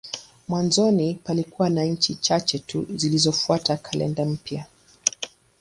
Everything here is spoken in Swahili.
Mwanzoni palikuwa na nchi chache tu zilizofuata kalenda mpya.